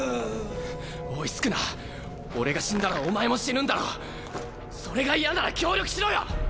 おい宿儺俺が死んだらお前も死ぬんだろそれが嫌なら協力しろよ！